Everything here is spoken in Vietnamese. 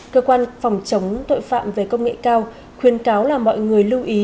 cơ quan phòng chống tội phạm về công nghệ cao khuyên cáo là mọi người lưu ý